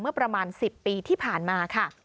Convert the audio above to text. เมื่อประมาณ๑๐ปีที่ผ่านมาค่ะ